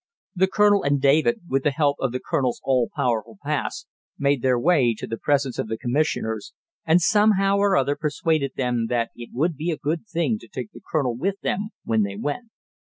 The colonel and David, with the help of the colonel's all powerful pass, made their way to the presence of the commissioners, and somehow or other persuaded them that it would be a good thing to take the colonel with them when they went.